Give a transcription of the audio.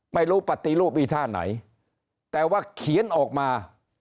ปฏิรูปอีท่าไหนแต่ว่าเขียนออกมา